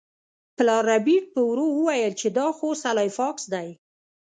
پلار ربیټ په ورو وویل چې دا خو سلای فاکس دی